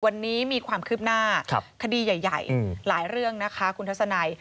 วันนี้มีความคืบหน้าคดีใหญ่หลายเรื่องนะคะคุณทัศนัย